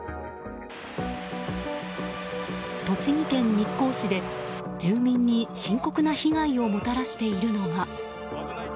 栃木県日光市で住民に深刻な被害をもたらしているのが。